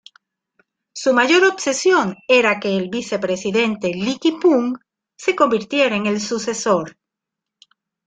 Su mayor obsesión era que el vicepresidente, Lee Ki-poong, se convirtiera en el sucesor.